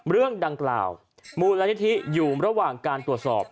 เรื่องดังกล่าวมูลนิธิอยู่ระหว่างการตรวจสอบ